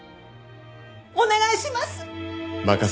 お願いします！